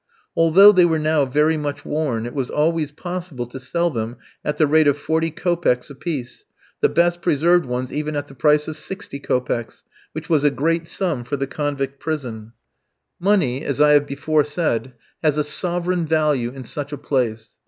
Although they were now very much worn, it was always possible to sell them at the rate of forty kopecks a piece, the best preserved ones even at the price of sixty kopecks, which was a great sum for the convict prison. Money, as I have before said, has a sovereign value in such a place.